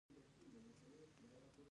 ازادي راډیو د بیکاري بدلونونه څارلي.